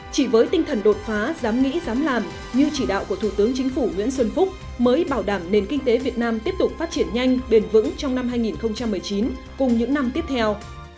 chỉ với tinh thần đột phá dám nghĩ dám làm như chỉ đạo của thủ tướng chính phủ nguyễn xuân phúc mới bảo đảm nền kinh tế việt nam tiếp tục phát triển nhanh bền vững trong năm hai nghìn một mươi chín cùng những năm tiếp theo